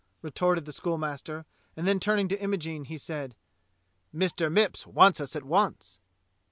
retorted the schoolmaster, and then turning to Imogene, he said: "Mr. Mipps wants us at once."